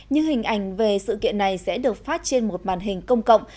nhưng hình ảnh về sự kiện này sẽ được phát trên một màn hình công cộng